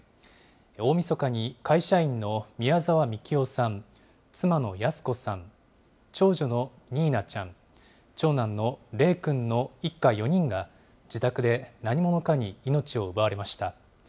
大みそかに会社員の宮沢みきおさん、妻の泰子さん、長女のにいなちゃん、長男の礼くんの一家４人が、自宅で何者かに命を奪われました。